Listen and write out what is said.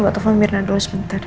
gak tahu apa mirna dulu sebentar ya